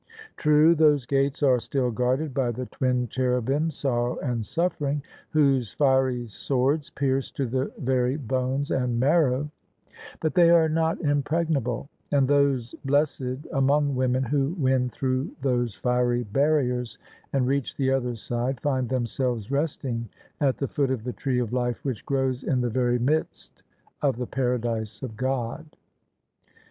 True, those gates are still guarded by the twin cherubim Sorrow and Suffering, whose fiery swords pierce to the very bones and marrow: but they are not impregnable: and those blessed among women who win through those fiery barriers and reach the other side find themselves resting at the foot of the tree of life which grows in the very midst of the paradise of God.